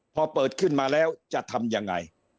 พอเปิดขึ้นมาแล้วจะทำยังไง